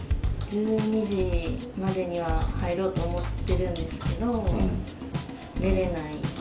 布団に入るのは、１２時までには入ろうと思ってるんですけど、寝れない。